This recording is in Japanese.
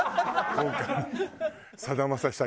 今回。